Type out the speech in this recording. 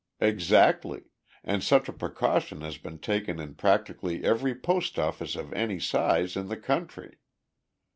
"Exactly and such a precaution has been taken in practically every post office of any size in the country.